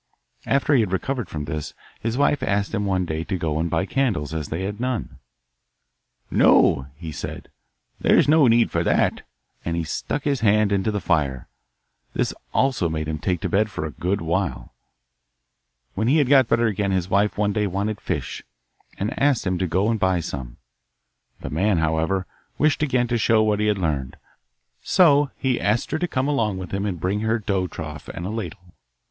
After he had recovered from this his wife asked him one day to go and buy candles, as they had none. 'No,' he said, 'there's no need for that;' and he stuck his hand into the fire. This also made him take to bed for a good while. When he had got better again his wife one day wanted fish, and asked him to go and buy some. The man, however, wished again to show what he had learned, so he asked her to come along with him and bring her dough trough and a ladle.